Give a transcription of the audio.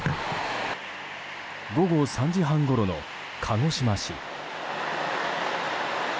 午後３時半ごろの鹿児島市。